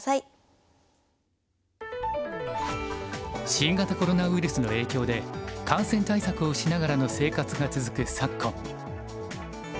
新型コロナウイルスの影響で感染対策をしながらの生活が続く昨今。